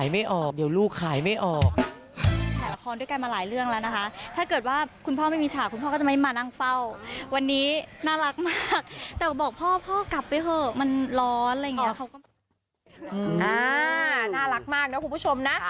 มันยังไงมันจริงมั้ยจั๊ปป้าจ๋า